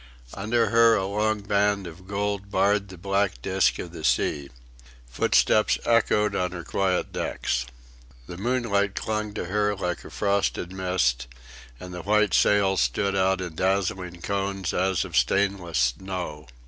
Under her a long band of gold barred the black disc of the sea. Footsteps echoed on her quiet decks. The moonlight clung to her like a frosted mist, and the white sails stood out in dazzling cones as of stainless snow.